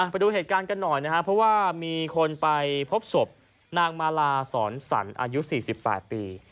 ไปดูเหตุการณ์กันหน่อยนะครับเพราะว่ามีคนไปพบศพนางมาลาสอนสรรอายุ๔๘ปี